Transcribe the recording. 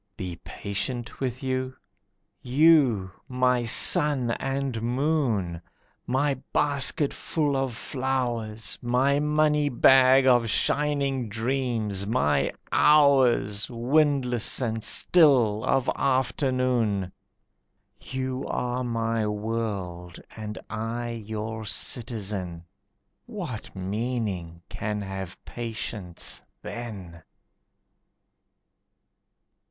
Be patient with you? You! My sun and moon! My basketful of flowers! My money bag of shining dreams! My hours, Windless and still, of afternoon! You are my world and I your citizen. What meaning can have patience then?